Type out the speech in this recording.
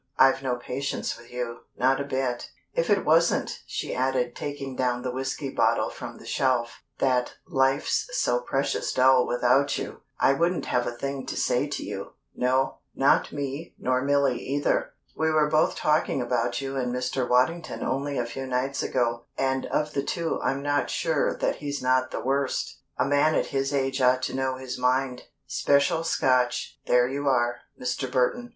I've no patience with you not a bit. If it wasn't," she added, taking down the whiskey bottle from the shelf, "that life's so precious dull without you, I wouldn't have a thing to say to you no, not me nor Milly either! We were both talking about you and Mr. Waddington only a few nights ago, and of the two I'm not sure that he's not the worst. A man at his age ought to know his mind. Special Scotch there you are, Mr. Burton.